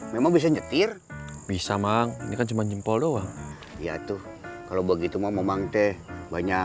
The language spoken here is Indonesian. memang bisa nyetir bisa mang ini kan cuma jempol doang ya tuh kalau begitu mau memang teh banyak